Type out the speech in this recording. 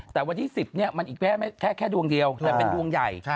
แต่วันที่๑๐มันอีกแค่ดวงเดียวแต่เป็นดวงใหญ่